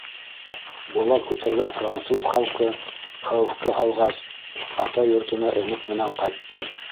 Бола күтәргән француз халҡы хәүефкә һалғас, ата йортона өмөт менән ҡайттым.